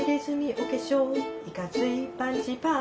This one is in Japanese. お化粧いかついパンチパーマ